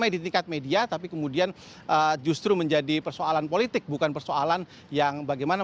di tingkat media tapi kemudian justru menjadi persoalan politik bukan persoalan yang bagaimana